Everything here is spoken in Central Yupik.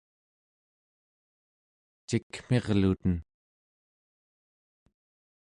cikmirluten!